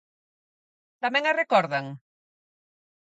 ¿Tamén a recordan?